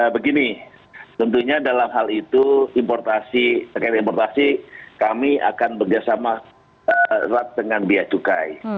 begini tentunya dalam hal itu importasi kami akan bekerjasama dengan beacukai